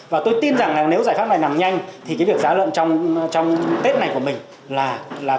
và tôi tin rằng là nếu giải pháp này nằm nhanh thì cái việc giá lợn trong tết này của mình là